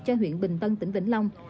cho huyện bình tân tỉnh vĩnh long